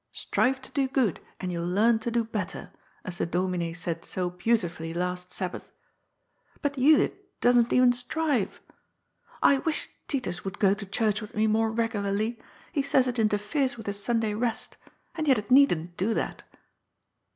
*' Strive to do good, and youll learn to do better,' as the Domin6 said so beautifully last Sabbath. But Judith doesn't even strive. I wish Titus would go to church with me more regularly. He says it interferes with his Sunday rest. And yet it needn't do that."